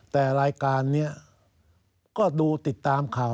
แต่รายการนี้ก็ดูติดตามข่าว